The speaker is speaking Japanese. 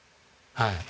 はい。